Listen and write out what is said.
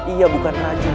ia bukan rajin